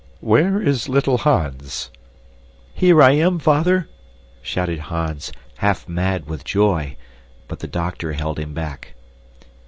Where is little Hans?" "Here I am, Father!" shouted Hans, half mad with joy. But the doctor held him back.